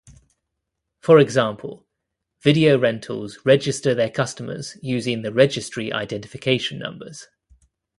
For example, video rentals register their customers using the registry identification numbers.